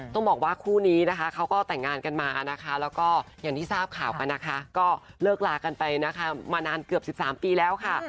ต้องบอกว่าคู่นี้นะคะเขาก็แต่งงานกันมานะคะแล้วก็อย่างที่ทราบข่าวกันนะคะก็เลิกลากันไปนะคะมานานเกือบ๑๓ปีแล้วค่ะ